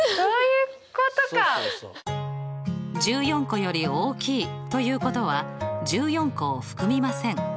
１４個より大きいということは１４個を含みません。